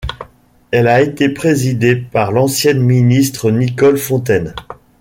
Elle a été présidée par l'ancienne ministre Nicole Fontaine.